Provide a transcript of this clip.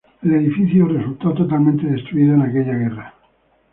El edificio resultó totalmente destruido en aquella guerra.